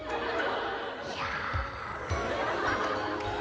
いや。